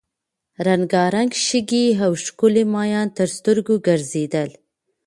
رنګارنګ شګې او ښکلي ماهیان تر سترګو ګرځېدل.